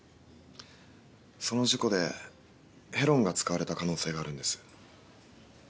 その事故でヘロンが使われた可能性があるんです。